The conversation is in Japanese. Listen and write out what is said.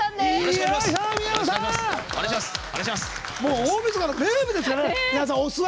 大みそかの名物ですからね。